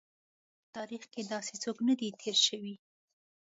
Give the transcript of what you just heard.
چې د غور په تاریخ کې داسې څوک نه دی تېر شوی.